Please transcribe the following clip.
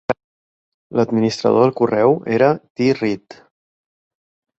L'administrador del correu era T. Read.